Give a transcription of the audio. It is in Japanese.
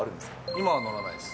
今は乗らないです。